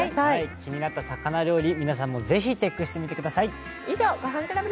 気になった魚料理、皆さんもぜひチェックしてみてください。